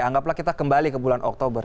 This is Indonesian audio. anggaplah kita kembali ke bulan oktober